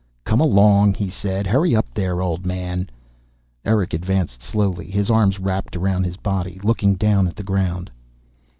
"Come along!" he said. "Hurry up there, old man." Erick advanced slowly, his arms wrapped around his body, looking down at the ground.